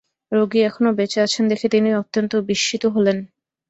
রোগী এখনো বেঁচে আছেন দেখে তিনি অত্যন্ত বিস্মিত হলেন।